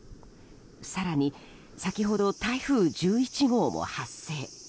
更に先ほど台風１１号も発生。